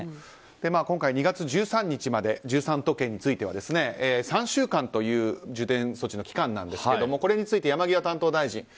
今回２月１３日まで１３都県については３週間という重点措置の期間ですがこれについて山際担当大臣。